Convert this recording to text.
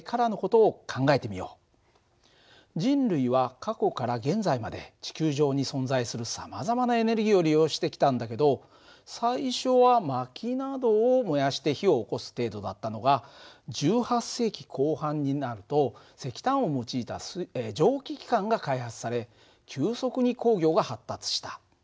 人類は過去から現在まで地球上に存在するさまざまなエネルギーを利用してきたんだけど最初は薪などを燃やして火をおこす程度だったのが１８世紀後半になると石炭を用いた蒸気機関が開発され急速に工業が発達した。